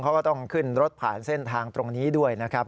เขาก็ต้องขึ้นรถผ่านเส้นทางตรงนี้ด้วยนะครับ